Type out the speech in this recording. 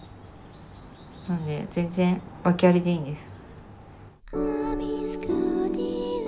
なので全然ワケありでいいんです。